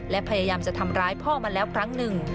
และพยายามจะทำร้ายพ่อมาแล้วครั้งหนึ่ง